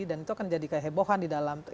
dan itu akan jadi kayak hebohan di dalam